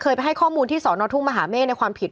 ไปให้ข้อมูลที่สอนอทุ่งมหาเมฆในความผิด